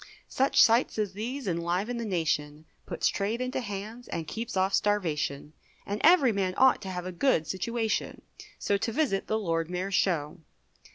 Such sights as these enliven the nation, Puts trade into hands, and keeps off starvation; And every man ought to have a good situation, So to visit the Lord Mayor's show.